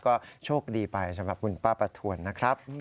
ก็โชคดีไปใช่ไหมคุณป้าปะทวนนะครับ